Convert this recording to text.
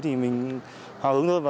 thì mình hào hứng hơn